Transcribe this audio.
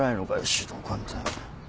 指導官って。